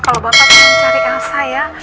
kalau bapak mau cari elsa ya